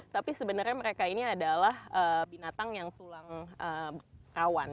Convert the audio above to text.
tapi sebenarnya mereka ini adalah binatang yang tulang rawan